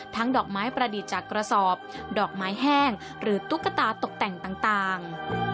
ดอกไม้ประดิษฐ์จากกระสอบดอกไม้แห้งหรือตุ๊กตาตกแต่งต่าง